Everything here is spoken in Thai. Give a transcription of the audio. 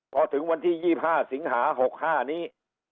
พอถึงวันที่๒๕สิงหา๖๕นี้